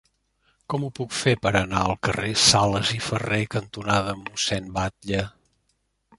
Com ho puc fer per anar al carrer Sales i Ferré cantonada Mossèn Batlle?